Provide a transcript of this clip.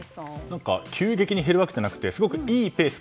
急激に減るわけじゃなくてすごくいいペース